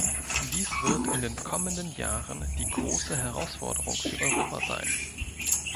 Dies wird in den kommenden Jahren die große Herausforderung für Europa sein.